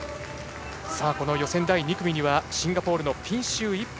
この予選第２組にはシンガポールのピンシュー・イップ。